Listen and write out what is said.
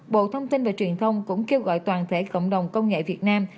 bộ thông tin và truyền thông cũng kêu gọi toàn thể cộng đồng công nghệ việt nam